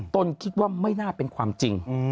ตนคิดว่าไม่น่าเป็นความจริง